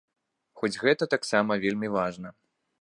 Хоць гэта таксама вельмі важна.